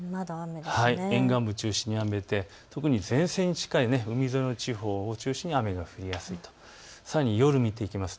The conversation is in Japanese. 沿岸部を中心に雨で特に前線に近い海沿いの地方を中心に雨が降りやすいです。